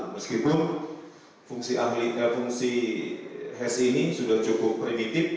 meskipun fungsi hes ini sudah cukup primitif